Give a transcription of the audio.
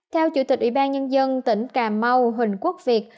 theo chủ tịch ủy ban nhân dân tỉnh cà mau huỳnh quốc việt